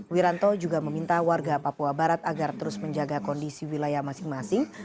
wiranto juga meminta warga papua barat agar terus menjaga kondisi wilayah masing masing